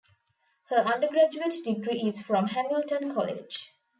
Her undergraduate degree is from Hamilton College.